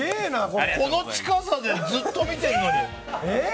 この近さでずっと見てるのに。